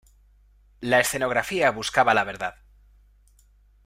La escenografía buscaba la verdad.